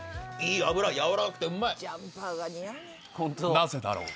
なぜだろう？